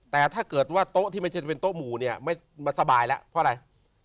แต่ถ้าเกิดว่าโต๊ะที่ไม่ใช่เป็นโต๊ะหมู่เนี่ยไม่สบายแล้วเพราะอะไร